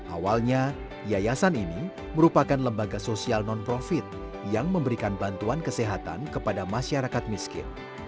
awalnya yayasan ini merupakan lembaga sosial non profit yang memberikan bantuan kesehatan kepada masyarakat miskin